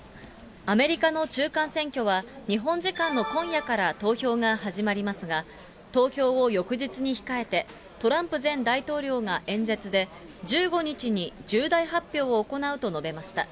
アメリカの中間選挙は、日本時間の今夜から投票が始まりますが、投票を翌日に控えて、トランプ前大統領が演説で、１５日に重大発表を行うと述べました。